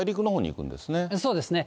そうですね。